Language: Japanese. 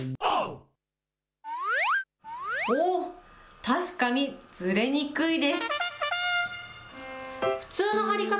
おー、確かに、ずれにくいです。